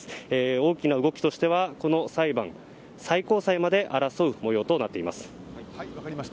大きな動きとしてはこの裁判、最高裁まで争う方向と分かりました。